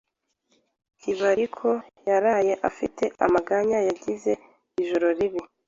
Kibariko yaraye afite amaganya yagize ijoro ribi.